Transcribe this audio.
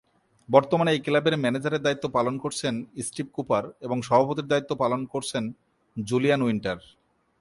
বর্তমানে এই ক্লাবের ম্যানেজারের দায়িত্ব পালন করছেন স্টিভ কুপার এবং সভাপতির দায়িত্ব পালন করছেন জুলিয়ান উইন্টার।